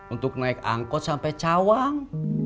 untuk naik angkot sampai cawang